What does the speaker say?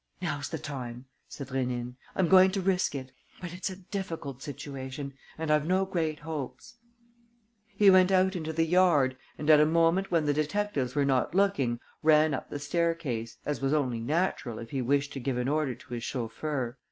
"Now's the time!" said Rénine. "I'm going to risk it. But it's a difficult situation and I've no great hopes." He went out into the yard and, at a moment when the detectives were not looking, ran up the staircase, as was only natural if he wished to give an order to his chauffeur.